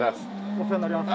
お世話になります。